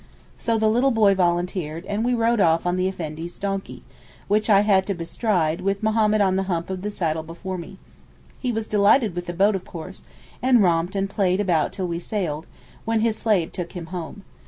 So the little boy volunteered, and we rode off on the Effendi's donkey, which I had to bestride, with Mohammed on the hump of the saddle before me. He was delighted with the boat, of course, and romped and played about till we sailed, when his slave took him home.